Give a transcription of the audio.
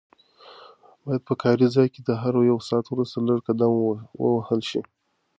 باید په کار ځای کې د هر یو ساعت وروسته لږ قدم ووهل شي.